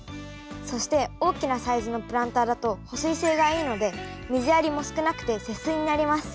そして大きなサイズのプランターだと保水性がいいので水やりも少なくて節水になります。